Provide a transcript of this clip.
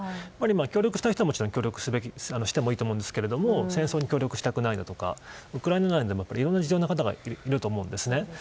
協力したい人は協力してもいいと思うんですけど戦争に協力したくないとかウクライナでもいろんな事情の方がいると思うんですね。